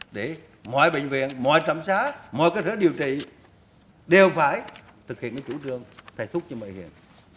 để mọi bệnh viện mọi trạm xá mọi cơ thể điều trị đều phải thực hiện chủ trương thay thúc cho bệnh viện